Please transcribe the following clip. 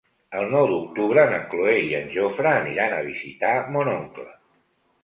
El nou d'octubre na Cloè i en Jofre aniran a visitar mon oncle.